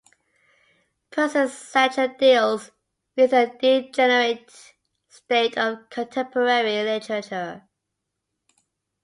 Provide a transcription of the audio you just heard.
Persius's satire deals with the degenerate state of contemporary literature.